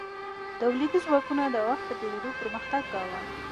تولیدي ځواکونو د وخت په تیریدو پرمختګ کاوه.